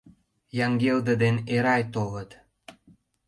Яҥгелде ден Эрай толыт.